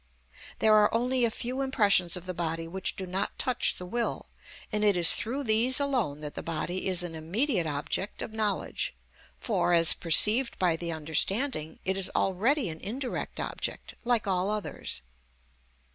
There are only a few impressions of the body which do not touch the will, and it is through these alone that the body is an immediate object of knowledge, for, as perceived by the understanding, it is already an indirect object like all others.